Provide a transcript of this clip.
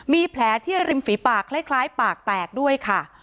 มีแผลที่ริมฝีปากคล้ายปากแตกด้วยค่ะ